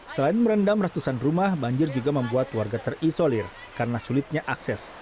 selain merendam ratusan rumah banjir juga membuat warga terisolir karena sulitnya akses